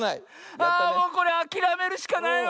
あもうこれあきらめるしかないわ。